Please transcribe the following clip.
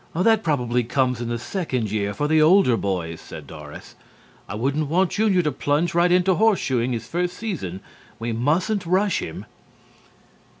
"That probably comes in the second year for the older boys," said Doris. "I wouldn't want Junior to plunge right into horseshoeing his first season. We mustn't rush him."